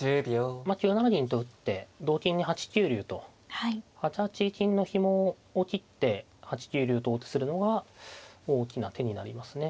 まあ９七銀と打って同金に８九竜と８八金のひもを切って８九竜と王手するのが大きな手になりますね。